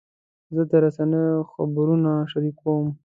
زه د رسنیو خبرونه شریکوم.